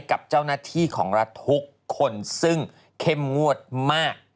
กับเจ้าหน้าที่ของรัฐทุกคนซึ่งเข้มงวดมาก